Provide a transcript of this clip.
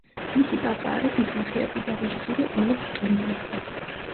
მისი პაპა არის მსახიობი და რეჟისორი ოლოფ ტუნბერგი.